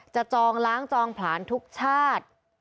จองล้างจองผลาญทุกชาติ